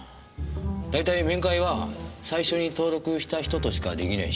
だいたい面会は最初に登録した人としかできないし。